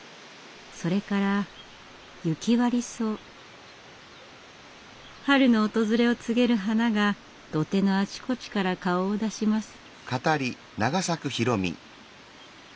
それから春の訪れを告げる花が土手のあちこちから顔を出します。